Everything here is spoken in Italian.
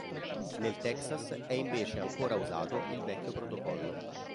Nel Texas è invece ancora usato il vecchio protocollo.